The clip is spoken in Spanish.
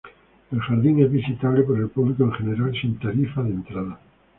El jardín es visitable por el público en general, sin taifa de entrada.